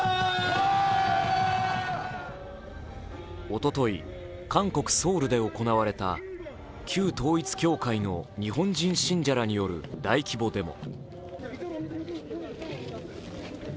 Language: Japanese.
おととい、韓国・ソウルで行われた旧統一教会の日本人信者らによる大規模デモ。